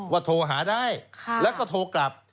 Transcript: โทรหาได้แล้วก็โทรกลับ